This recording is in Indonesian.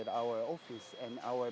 di dalam pejabat kami